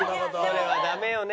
それはダメよね。